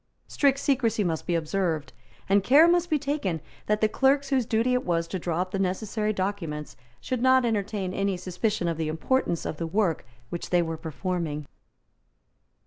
Strict secresy must be observed; and care must be taken that the clerks whose duty it was to draw up the necessary documents should not entertain any suspicion of the importance of the work which they were performing.